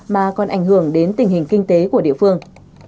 mà còn ảnh hưởng đến tình hình kinh tế của địa phương